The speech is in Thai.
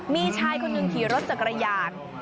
มีชายคนหนึ่งขี่รถจักรยาน